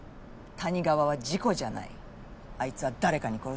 谷川は事故じゃないあいつは誰かに殺された。